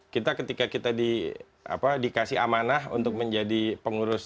kita ketika kita dikasih amanah untuk menjadi pengurus